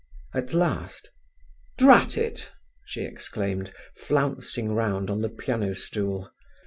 At last: "Drat it," she exclaimed, flouncing round on the piano stool.